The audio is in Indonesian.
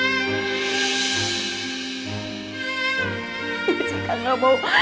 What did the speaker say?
jessica gak mau